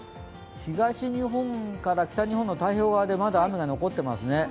東日本から北日本の太平洋側で、まだ雨が残っていますね。